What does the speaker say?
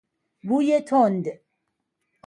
بوی تند